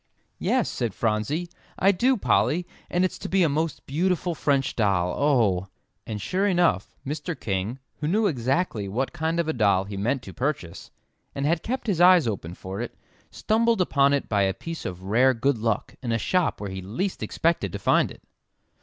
"Yes," said Phronsie. "I do, Polly, and it's to be a most beautiful French doll oh!" And sure enough, Mr. King, who knew exactly what kind of a doll he meant to purchase, and had kept his eyes open for it, stumbled upon it by a piece of rare good luck in a shop where he least expected to find it.